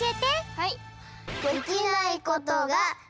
はい。